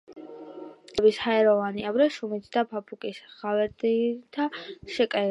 ხასხასა ფერების ჰაეროვანი აბრეშუმით და ფაფუკი ხავერდითაა შეკერილი.